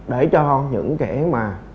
để cho những kẻ mà